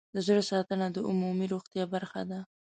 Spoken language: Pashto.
د زړه ساتنه د عمومي روغتیا برخه ده.